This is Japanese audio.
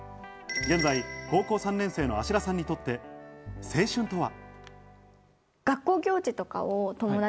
現在高校３年生の芦田さんにとって青春とは？